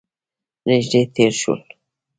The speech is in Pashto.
نژدې تیر شول